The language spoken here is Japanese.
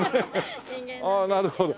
ああなるほど。